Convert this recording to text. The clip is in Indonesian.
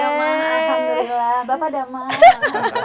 damang alhamdulillah bapak damang